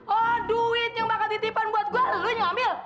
oh duit yang bakal ditipan buat gua lu yang ambil